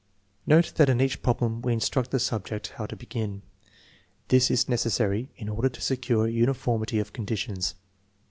Note that in each problem we instruct the subject how to begin. This is necessary in order to secure uniformity of conditions.